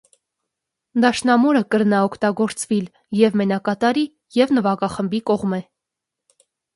Դաշնամուրը կրնայ օգտագործուիլ ե՛ւ մենակատարի, եւ նուագախումբի կողմէ։